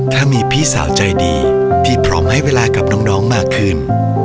ถ้ามีพี่สาวใจดีที่พร้อมให้เวลากับน้องมากขึ้น